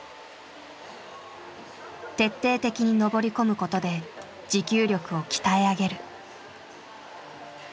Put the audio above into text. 徹底的に登り込むことで持久力を鍛え上げる。